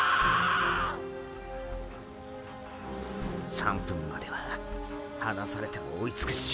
３分までは離されても追いつくっショ。